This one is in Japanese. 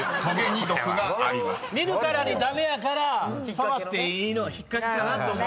見るからに駄目やから触っていい引っ掛けかなと。